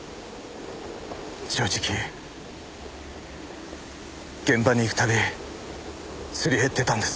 正直現場に行くたびすり減ってたんです。